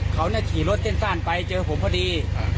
เขาเนี่ยขี่รถเต้นต้านไปเจอผมพอดี